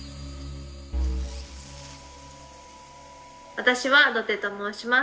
私はどてと申します。